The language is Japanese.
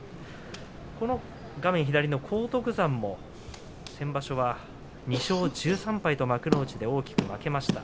画面左の、荒篤山も先場所は２勝１３敗と幕内で大きく負けました。